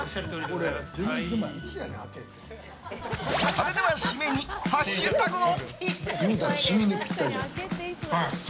それでは締めにハッシュタグを。